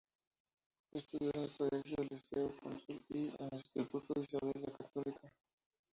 Estudió en el colegio Liceo Cónsul y en el instituto Isabel la Católica.